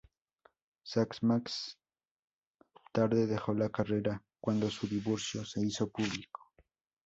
Sax más tarde dejó la carrera, cuando su divorcio se hizo público.